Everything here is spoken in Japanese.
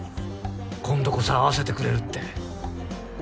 今度こそ会わせてくれるって。